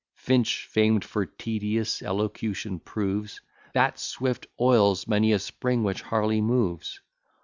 Finch, famed for tedious elocution, proves That Swift oils many a spring which Harley moves.